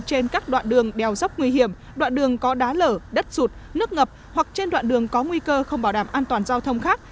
trên các đoạn đường đèo dốc nguy hiểm đoạn đường có đá lở đất rụt nước ngập hoặc trên đoạn đường có nguy cơ không bảo đảm an toàn giao thông khác